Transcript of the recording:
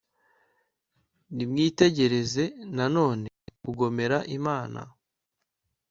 Nimwitegereze na none kugomera Imana